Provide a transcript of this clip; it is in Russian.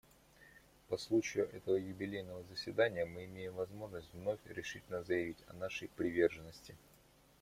По случаю этого юбилейного заседания мы имеем возможность вновь решительно заявить о нашей приверженности.